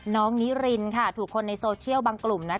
น้องนิรินค่ะถูกคนในโซเชียลบางกลุ่มนะครับ